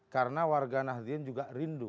karena warga nahdien juga rindu